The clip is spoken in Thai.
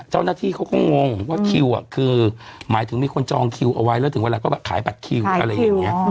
เจ้าหน้าที่เขาก็งงว่าคิวคือหมายถึงมีคนจองคิวเอาไว้แล้วถึงเวลาก็แบบขายบัตรคิวอะไรอย่างนี้